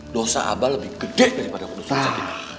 dosa abah lebih gede daripada dosa kita